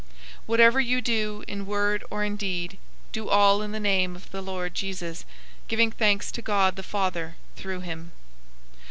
003:017 Whatever you do, in word or in deed, do all in the name of the Lord Jesus, giving thanks to God the Father, through him.